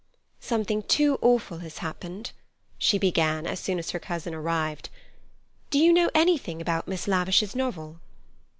"Something too awful has happened," she began, as soon as her cousin arrived. "Do you know anything about Miss Lavish's novel?"